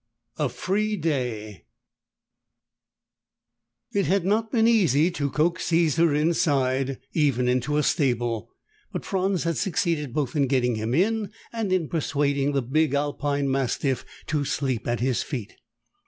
8: A FREE DAY It had not been easy to coax Caesar inside, even into a stable, but Franz had succeeded both in getting him in and in persuading the big Alpine Mastiff to sleep at his feet.